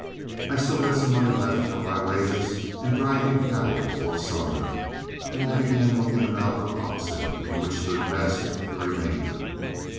I still had some money left from my wages in driving cattle to Fort Sumner, and I began looking about for oxen in which to invest the remainder.